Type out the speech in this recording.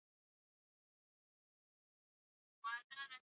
هرات د افغانستان د ځایي اقتصادونو بنسټ دی.